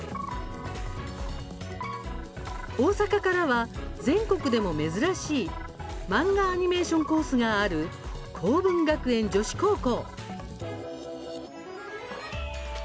大阪からは、全国でも珍しいマンガ・アニメーションコースがある好文学園女子高校。